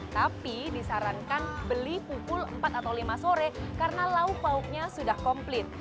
tapi disarankan beli pukul empat atau lima sore karena lauk lauknya sudah komplit